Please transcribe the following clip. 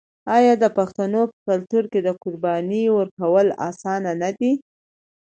آیا د پښتنو په کلتور کې د قربانۍ ورکول اسانه نه دي؟